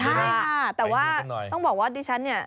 ใช่ค่ะแต่ว่าต้องบอกว่าดิฉันเนี่ย